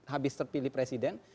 habis terpilih presiden